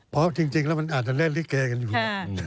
เพราะจริงแล้วมันอาจจะเล่นลิเกกันอยู่